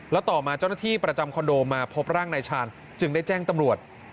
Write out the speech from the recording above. แล้วต่อมาเจ้าหน้าที่ประจำคอนโดมาพบร่างนายชาญจึงได้แจ้งตำรวจ